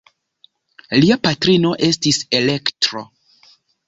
Lia patrino estis Elektro.